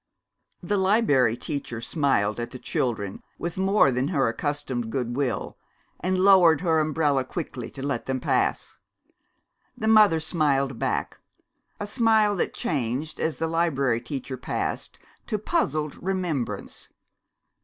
The Liberry Teacher smiled at the children with more than her accustomed goodwill, and lowered her umbrella quickly to let them pass. The mother smiled back, a smile that changed, as the Liberry Teacher passed, to puzzled remembrance.